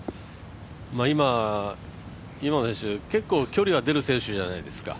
今野選手、結構距離は出る選手じゃないですか。